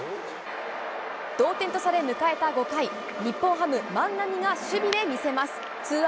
同点とされ迎えた５回、日本ハム・万波が守備で見せます。